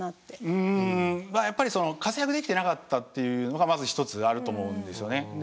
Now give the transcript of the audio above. うんまあやっぱりその活躍できてなかったっていうのがまず一つあると思うんですよね。